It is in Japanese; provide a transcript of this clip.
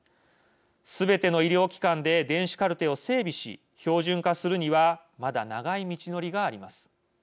すべての医療機関で電子カルテを整備し標準化するにはまだ長い道のりがあります。